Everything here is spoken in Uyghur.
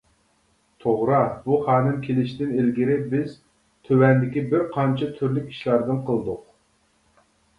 توغرا بۇ خانىم كېلىشتىن ئىلگىرى بىز تۆۋەندىكى بىر قانچە تۈرلۈك ئىشلاردىن قىلدۇق.